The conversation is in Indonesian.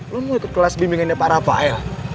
lo mau ke kelas bimbingan pak rafael